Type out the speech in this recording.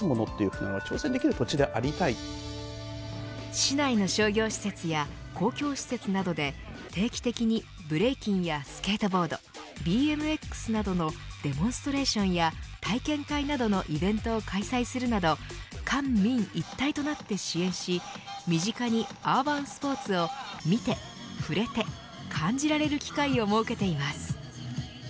市内の商業施設や公共施設などで定期的にブレイキンやスケートボードＢＭＸなどのデモンストレーションや体験会などのイベントを開催するなど官民一体となって支援し身近にアーバンスポーツを見て、触れて感じられる機会を設けています。